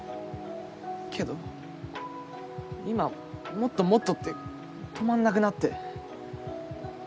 けど今もっともっとって止まんなくなって。